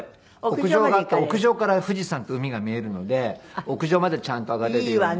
屋上があって屋上から富士山と海が見えるので屋上までちゃんと上がれるように。